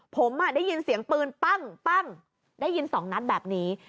ผมได้ยินเสียงปืนปั้งได้ยินสองนัดแบบนี้